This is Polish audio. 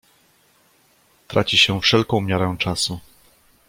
"Traci się wszelką miarę czasu."